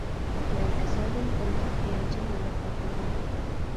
مەن ئەزەلدىن بۇنداق ھاياجانلىنىپ باقمىغان ئىدىم.